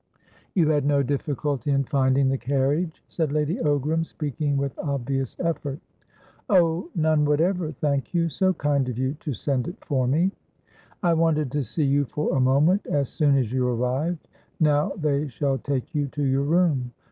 "You had no difficulty in finding the carriage?" said Lady Ogram, speaking with obvious effort. "Oh, none whatever, thank you! So kind of you to send it for me." "I wanted to see you for a moment, as soon as you arrived. Now they shall take you to your room.